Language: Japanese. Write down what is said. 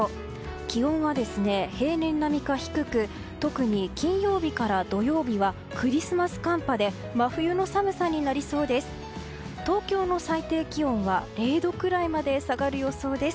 気温は平年並みか低く特に金曜日から土曜日はクリスマス寒波で真冬の寒さになりそうです。